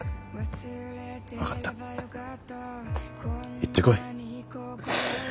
言ってこい。